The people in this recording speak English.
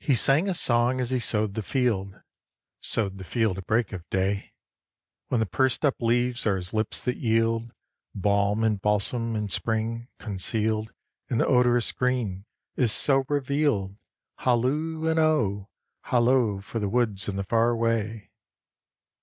He sang a song as he sowed the field, Sowed the field at break of day: "When the pursed up leaves are as lips that yield Balm and balsam, and Spring, concealed In the odorous green, is so revealed, Halloo and oh! Hallo for the woods and the far away!"